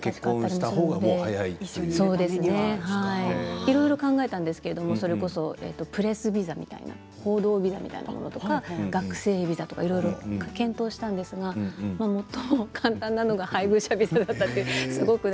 いろいろ考えたんですけどそれこそプレスビザ、報道ビザみたいなものとか学生ビザとかいろいろ検討したんですが最も簡単なのは配偶者ビザだったと。